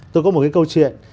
tôi có một cái câu chuyện